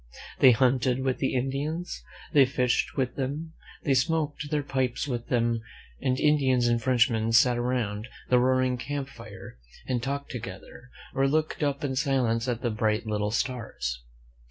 They hunted with the Indians; they fished with them, they smoked their pipes with them, and Indians and French men sat around the roaring camp fire and talked together, or looked up in silence at the bright little stars.